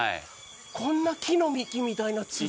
こんな木の幹みたいなつるが。